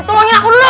tungguin aku dulu